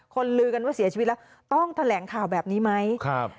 ลือกันว่าเสียชีวิตแล้วต้องแถลงข่าวแบบนี้ไหมครับ